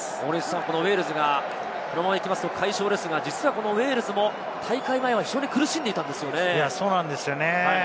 ウェールズがこのままいくと快勝ですが、ウェールズも大会前は非常に苦しんでいたんですよね。